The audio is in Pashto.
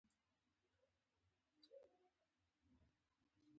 د آمر او لارښود تر منځ فرق په دې کې دی.